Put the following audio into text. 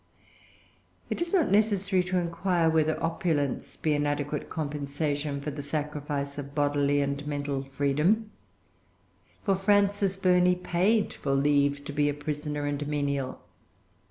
It is not necessary to inquire whether opulence be an adequate compensation for the sacrifice of bodily and mental freedom; for Frances Burney paid for leave to be a prisoner and a menial.